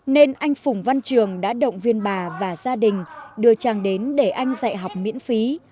nên anh phùng văn trường đã động viên bà và gia đình đưa trang đến để anh dạy học miễn phí